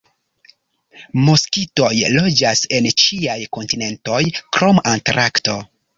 Moskitoj loĝas en ĉiaj kontinentoj krom Antarkto.